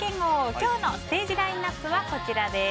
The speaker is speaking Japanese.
今日のステージラインアップはこちらです。